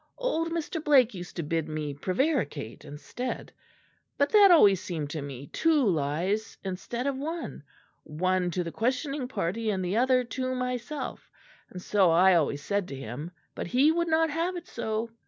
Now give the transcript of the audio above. Old Mr. Blake used to bid me prevaricate instead; but that always seemed to me two lies instead of one one to the questioning party and the other to myself; and so I always said to him, but he would not have it so.